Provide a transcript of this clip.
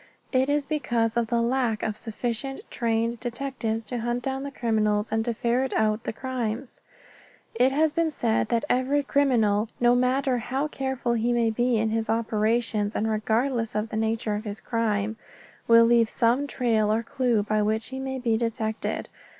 It is because of the lack of sufficient trained detectives to hunt down the criminals and to ferret out the crimes. It has been said that every criminal, no matter how careful he may be in his operations and regardless of the nature of his crime, will leave some trail or clue by which he may be detected.